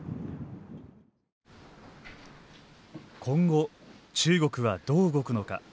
今後、中国はどう動くのか。